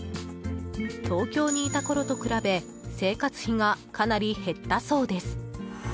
東京にいたころと比べ生活費がかなり減ったそうです。